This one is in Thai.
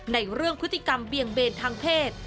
ในเรื่องพฤติกรรมเบียงเบนทางเพศ